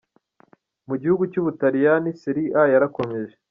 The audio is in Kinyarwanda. Mu gihugu cy’u Butaliyani, Serie A yarakomeje.